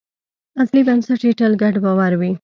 اصلي بنسټ یې تل ګډ باور وي.